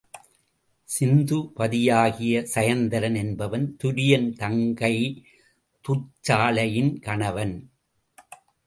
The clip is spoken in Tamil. சிந்துபதியாகிய சயத்திரதன் என்பவன் துரியன் தங்கை துச்சளையின் கணவன்.